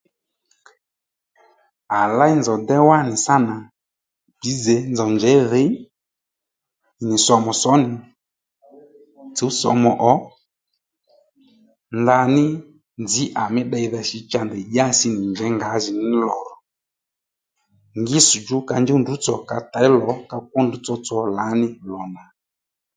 À léy nzow déy wánì sǎ nà bizè nzòw njěy dhǐy ì nì somu sǒ nì tsǔw somu ò ndaní nzǐ à mí ddeydha shǐ cha ndèy dyási nì njèy nì ngǎjì ní lò rò ngís djú ka njúw ndrǔ tsò ka kwó ndrǔ tsotso lǎ ní lò nà